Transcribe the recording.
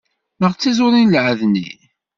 Neɣ d tiẓurin n lɛedni.